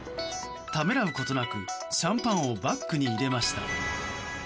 ためらうことなく、シャンパンをバッグに入れました。